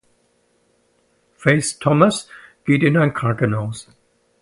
Faith Thomas geht in ein Krankenhaus.